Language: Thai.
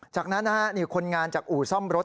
จากนั้นเนี่ยคุณงานจากอู่ซ่อมรถ